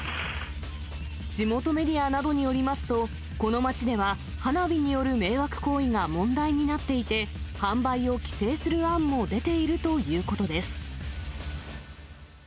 地元メディアなどによりますと、この町では、花火による迷惑行為が問題になっていて、販売を規制する案も出ているということです。